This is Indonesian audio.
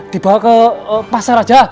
di bawa ke pasar aja